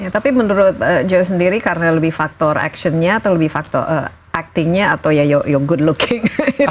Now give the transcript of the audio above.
tapi menurut joe sendiri karena lebih faktor action nya atau lebih faktor acting nya atau ya your good looking